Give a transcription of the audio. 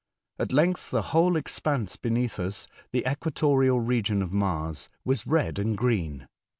At length the whole expanse beneath us, the equatorial region of Mars, was red or green.